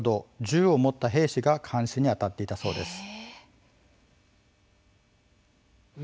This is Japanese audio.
銃を持った兵士が監視にあたっていたそうです。